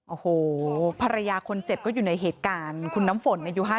โอ้โหภรรยาคนเจ็บก็อยู่ในเหตุการณ์คุณน้ำฝนอายุ๕๐